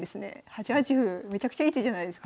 ８八歩めちゃくちゃいい手じゃないですか。